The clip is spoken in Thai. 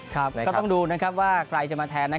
ครับก็ต้องดูว่าใครจะมาแทน